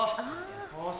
よし。